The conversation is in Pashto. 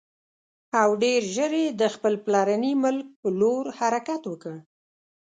او ډېر ژر یې د خپل پلرني ملک پر لور حرکت وکړ.